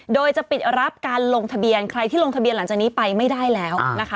โดยจะปิดรับการลงทะเบียนใครที่ลงทะเบียนหลังจากนี้ไปไม่ได้แล้วนะคะ